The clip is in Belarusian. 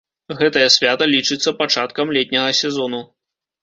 Гэтае свята лічыцца пачаткам летняга сезону.